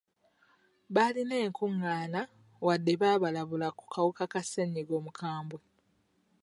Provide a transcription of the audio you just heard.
Baalina enkungaana wadde nga baabalabula ku kawuka ka ssenyiga omukambwe.